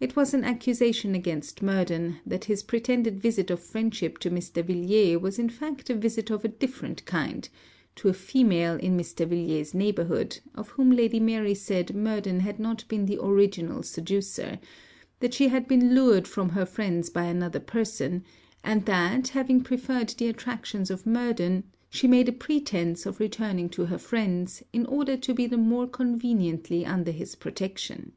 It was an accusation against Murden, that his pretended visit of friendship to Mr. Villier was in fact a visit of a different kind, to a female in Mr. Villier's neighbourhood, of whom Lady Mary said Murden had not been the original seducer; that she had been lured from her friends by another person, and that having preferred the attractions of Murden, she made a pretence of returning to her friends, in order to be the more conveniently under his protection.